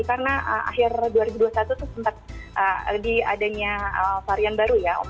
karena akhir dua ribu dua puluh satu itu sempat di adanya varian baru ya